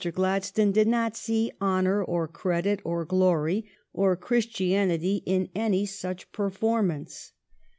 Gladstone did not see honor, or credit, or glory, or Christi anity in any such performance.